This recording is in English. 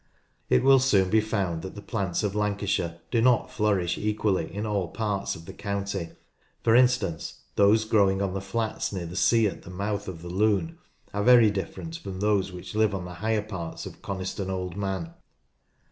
It will soon be found that the plants of Lancashire do not flourish equally in all parts of the county, for instance, those growing on the flats near the sea at the mouth of the Lune are very different from those which live on the higher parts of Coniston Old Man.